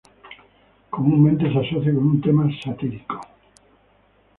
Comúnmente se asocia con un tema satírico.